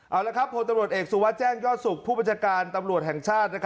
เอาละครับพลตำรวจเอกสุวัสดิแจ้งยอดสุขผู้บัญชาการตำรวจแห่งชาติ